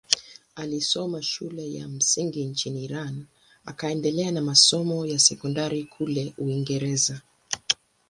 Alisoma shule ya msingi nchini Iran akaendelea na masomo ya sekondari kule Uingereza.